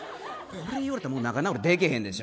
これ言われたら仲直りできへんでしょ。